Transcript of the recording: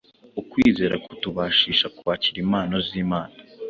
Ukwizera kutubashisha kwakira impano z’Imana,